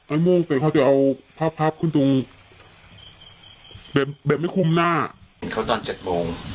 ไอ้โม่งแต่เขาจะเอาพับพับขึ้นตรงแบบแบบไม่คุมหน้าเขาตอนเจ็ดโมงค่ะ